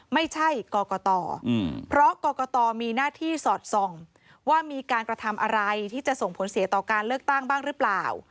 ไม่ใช่กรกตเพราะกรกตมีหน้าที่สอดส่องว่ามีการกระทำอะไรที่จะส่งผลเสียต่อการเลือกตั้งบ้างหรือเปล่า